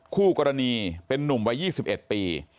คู่กรณีเป็นนุ่มวัย๒๑ปี